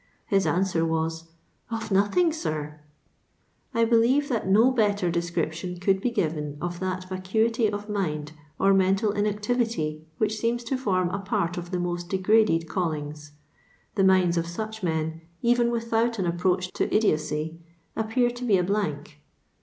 His answer was, " Of nothing, sir." I believe that no better description could be given of tliat vacuity of mind or mental inactivity which seems to form a part of the most degraded callings. The minds of such men, even without an approach to idiotcy, appear to be a blank.